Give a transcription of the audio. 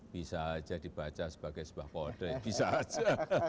bisa aja dibaca sebagai sebuah kode bisa aja